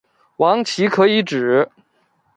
王祺可以指